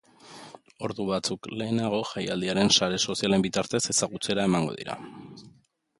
Ordu batzuk lehenago jaialdiaren sare sozialen bitartez ezagutzera emango dira.